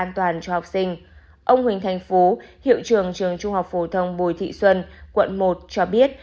trường trường trung học phổ thông bùi thị xuân quận một cho biết